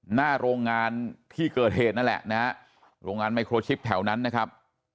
หน้าโรงงานที่เกิดเหตุนั่นแหละนะฮะโรงงานไมโครชิปแถวนั้นนะครับ